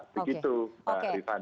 begitu mbak rifat